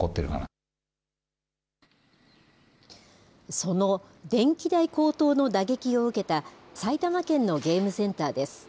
その電気代高騰の打撃を受けた埼玉県のゲームセンターです。